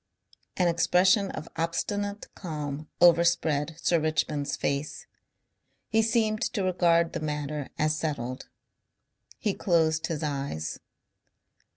An expression of obstinate calm overspread Sir Richmond's face. He seemed to regard the matter as settled. He closed his eyes.